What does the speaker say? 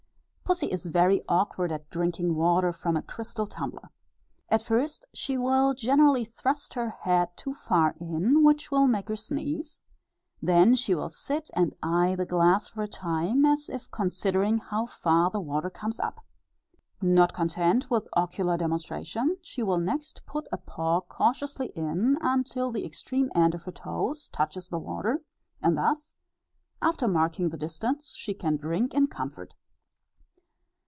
Pussy is very awkward at drinking water from a crystal tumbler. At first she will generally thrust her head too far in, which will make her sneeze; then she will sit and eye the glass for a time, as if considering how far the water comes up. Not content with ocular demonstration, she will next put a paw cautiously in, until the extreme end of her toes touches the water, and thus, after marking the distance, she can drink in comfort.